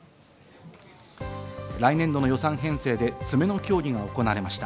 来年度の予算編成で詰めの協議が行われました。